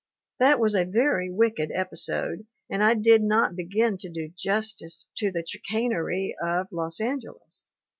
"That was a very wicked episode, and I did not begin to do justice to the chicanery of Los An geles.